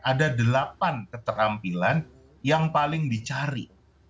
ada delapan keterampilan yang paling dicari